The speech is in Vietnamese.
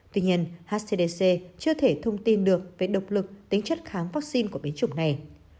tuy nhiên hcdc chưa thể thông tin được về độc lực tính chất kháng vaccine của biến chủng này